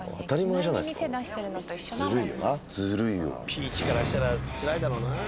ピーチからしたらつらいだろうな。